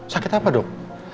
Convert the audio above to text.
sakit apa dok